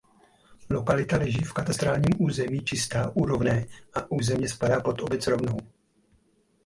Lokalita leží v katastrálním území Čistá u Rovné a územně spadá pod obec Rovnou.